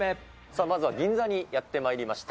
まずは銀座にやってまいりました。